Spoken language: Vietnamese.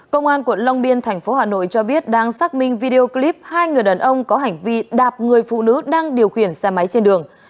công an quận long biên thành phố hà nội cho biết đang xác minh video clip hai người đàn ông có hành vi đạp người phụ nữ đang điều khiển xe máy trên đường